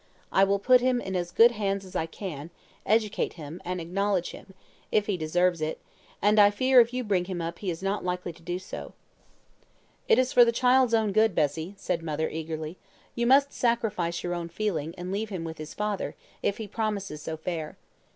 I will put him in as good hands as I can, educate him, and acknowledge him, if he deserves it; and I fear if you bring him up he is not likely to do so.' "'It is for the child's own good, Bessie,' said mother, eagerly. 'You must sacrifice your own feeling, and leave him with his father, if he promises so fair.